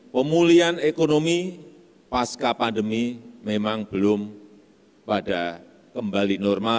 pemulihan ekonomi pasca pandemi memang belum pada kembali normal